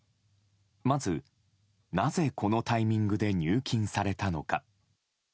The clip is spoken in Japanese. まず、なぜこのタイミングで入金されたのか。